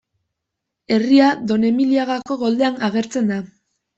Herria Donemiliagako goldean agertzen da.